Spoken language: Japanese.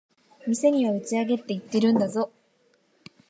店には打ち上げって言ってるんだぞ。